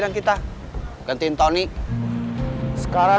dia lagi di jalan